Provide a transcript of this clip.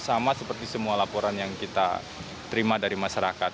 sama seperti semua laporan yang kita terima dari masyarakat